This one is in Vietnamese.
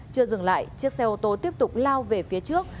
chưa dừng lại chiếc xe ô tô tiếp tục lao về phía trước